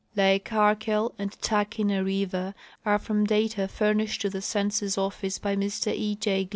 f Lake Arkell and Tahkeena river are from data furnished to the Census office by Mr E. J.